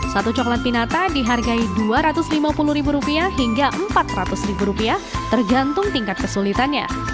satu coklat pinata dihargai dua ratus lima puluh rupiah hingga empat ratus rupiah tergantung tingkat kesulitannya